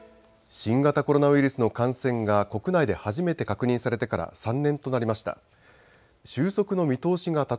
新型コロナウイルスの感染が国内で初めて確認されてから３年となりました。